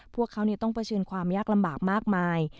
พวกเขาต้องเผชิญความยากลำบากมากมาย